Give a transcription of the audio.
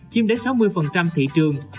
chiêm đến sáu mươi thị trường